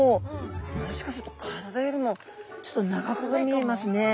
もしかすると体よりもちょっと長く見えますね。